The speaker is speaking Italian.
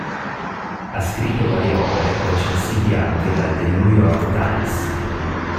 Ha scritto varie opere, recensiti anche dal The New York Times.